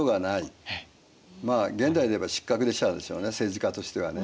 現代でいえば失格者でしょうね政治家としてはね。